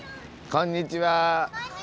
こんにちは！